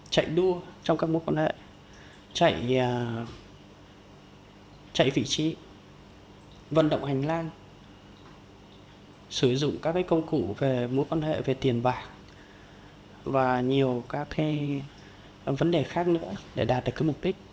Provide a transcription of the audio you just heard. chạy đua trong các mối quan hệ chạy vị trí vận động hành lang sử dụng các công cụ về mối quan hệ về tiền bạc và nhiều các vấn đề khác nữa để đạt được mục đích